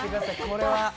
これは。